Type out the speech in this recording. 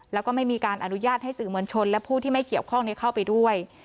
แล้วก็ไม่มีการอนุญาตให้สื่อมวลชนและผู้ที่ไม่เกี่ยวข้องเข้าไปด้วย